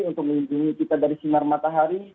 untuk mengunjungi kita dari sinar matahari